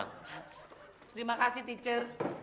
terima kasih teacher